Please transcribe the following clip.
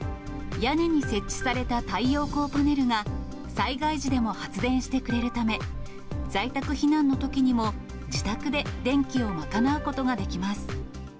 屋根に設置された太陽光パネルが災害時でも発電してくれるため、在宅避難のときにも自宅で電気を賄うことができます。